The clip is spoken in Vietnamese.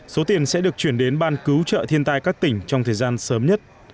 số tiền sẽ được chuyển đến ban cứu trợ thiên tai các tỉnh trong thời gian sớm nhất